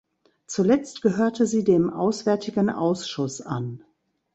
Zuletzt gehörte sie dem Auswärtigen Ausschuss an.